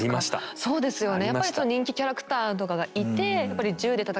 うんそうですよね。